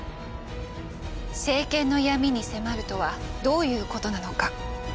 政権の闇に迫るとはどういうことなのか？